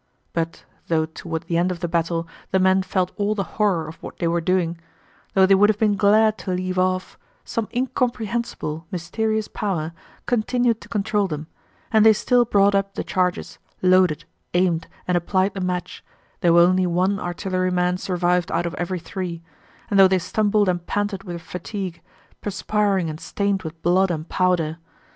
But though toward the end of the battle the men felt all the horror of what they were doing, though they would have been glad to leave off, some incomprehensible, mysterious power continued to control them, and they still brought up the charges, loaded, aimed, and applied the match, though only one artilleryman survived out of every three, and though they stumbled and panted with fatigue, perspiring and stained with blood and powder.